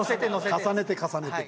重ねて重ねて。